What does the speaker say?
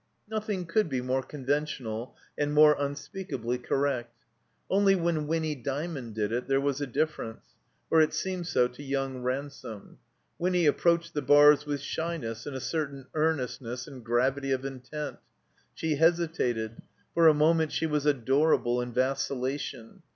Nothing could be more conventional and more unspeakably correct. Only when Winny Dymond did it there was a difference, or it seemed so to yotmg Ransome. Winny approached the bars with shjmess and a certain earnestness and gravity of intent. She hesitated; for a moment she was adorable in vacil lation.